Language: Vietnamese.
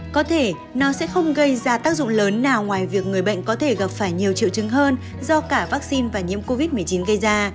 có thể nó sẽ không gây ra tác dụng lớn nào ngoài việc người bệnh có thể gặp phải nhiều triệu chứng hơn do cả vaccine và nhiễm covid một mươi chín gây ra